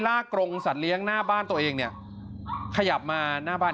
กรงสัตว์เลี้ยงหน้าบ้านตัวเองเนี่ยขยับมาหน้าบ้าน